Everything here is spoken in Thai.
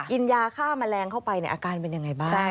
กินยาฆ่าแมลงเข้าไปในอาการเป็นยังไงบ้าง